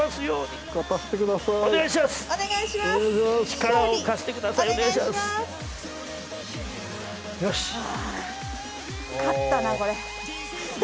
よし。